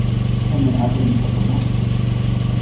Thame ate inchatomashiki